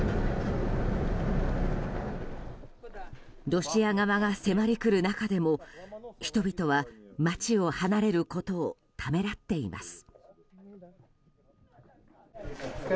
ロシア側が迫りくる中でも人々は街を離れることをためらっています。